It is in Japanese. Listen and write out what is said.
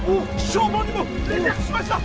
消防にも連絡しました！